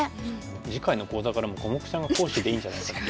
次回の講座からもうコモクちゃんが講師でいいんじゃないかと。